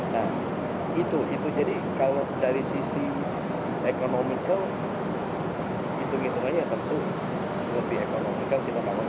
nah itu jadi kalau dari sisi ekonomical itu itu saja tentu lebih ekonomical kita panggilnya